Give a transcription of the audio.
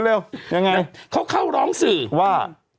ยังไงเขาเข้าร้องสื่อว่า